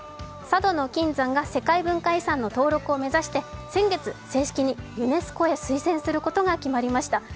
佐渡島の金山が世界文化遺産の登録を目指して先月、正式にユネスコへ推薦することが決まりました。